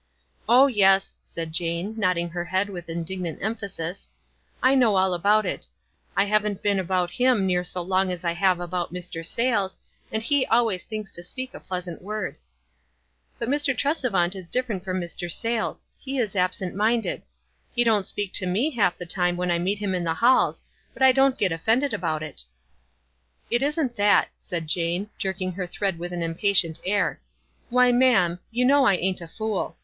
"Oh, yes," said Jane, nodding her head with indignant emphasis, "I know all about it. I haven't been about him near so long as I have about Mr. Sayles, and he always thinks to speak a pleasant word." "But Mr. Tresevant is different from Mr. Sayles ; he is absent minded. He don't speak to me half the time when I meet him in the halls, but I don't get olTended about it." 158 WISE AND OTHERWISE. "It isn't that," said Jane, jerking her thread with an impatient air. " Why, ma'am, }^ou know I ain't a fool.